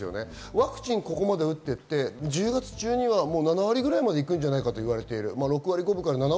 ワクチンを打っていって１０月中には７割くらいまで行くんじゃないかといわれている。